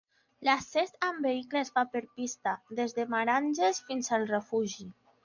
L'accés amb vehicle es fa per pista, des de Meranges, fins al refugi.